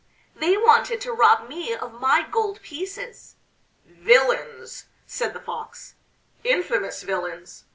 "They wanted to rob me of my gold pieces." "Villains!" said the Fox. "Infamous villains!"